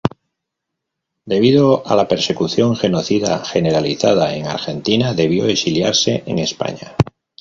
Debido a la persecución genocida generalizada en Argentina debió exiliarse en España.